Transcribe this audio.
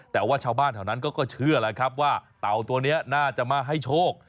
แต่ว่าชาวบ้านแถวนั้นก็เชื่อแล้วครับว่าเต่าตัวนี้น่าจะมาให้โชค